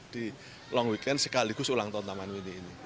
di long weekend sekaligus ulang tahun taman mini ini